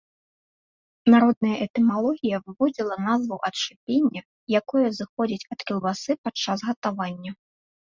Народная этымалогія выводзіла назву ад шыпення, якое зыходзіць ад кілбасы падчас гатавання.